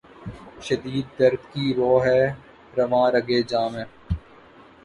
شدید درد کی رو ہے رواں رگ ِ جاں میں